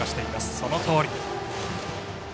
そのとおり。